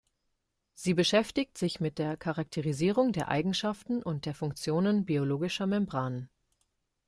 Sie beschäftigt sich mit der Charakterisierung der Eigenschaften und der Funktionen biologischer Membranen.